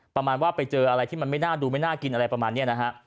ประมาณว่าไปเจออะไรที่มันไม่น่าดูไม่น่ากินอะไรประมาณนี้นะฮะ